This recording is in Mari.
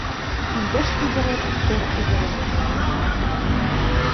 Индеш ӱдырет - тӧр ӱдырет